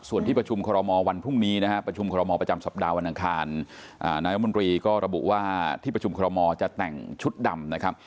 ส่วนที่ประชุมคอรมอลวันพรุ่งนี้นะฮะประชุมคอรมอลประจำสัปดาห์วันอังคารนายมนตรีก็ระบุว่าที่ประชุมคอรมอลจะแต่งชุดดำนะครับ